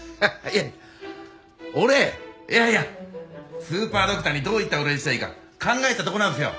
いやいやスーパードクターにどういったお礼をしたらいいか考えてたところなんですよ。